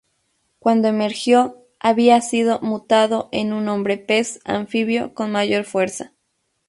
Cuando emergió, había sido mutado en un hombre-pez anfibio con mayor fuerza.